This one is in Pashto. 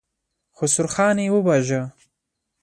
خسروخان يې وواژه.